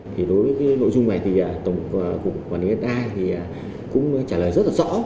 thì đối với cái nội dung này thì tổng cục quản lý đất đai thì cũng trả lời rất là rõ